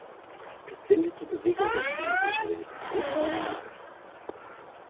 Das bindet die Bewegung der Flügel an den Begriff des Chaos.